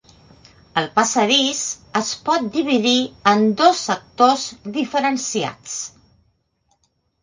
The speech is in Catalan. El passadís es pot dividir en dos sectors diferenciats.